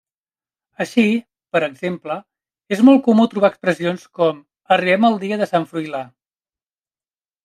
Així, per exemple, és molt comú trobar expressions com: arribem el dia de sant Froilà.